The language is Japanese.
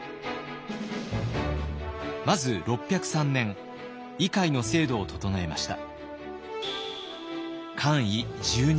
まず６０３年位階の制度を整えました。